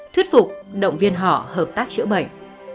thuyết phục động viên họ hợp tác chữa bệnh